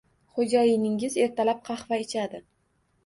Xo`jayiningiz ertalab qahva ichadi